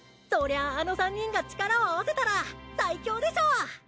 そりゃあの３人が力を合わせたら最強でしょ！